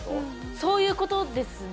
そういうことですね。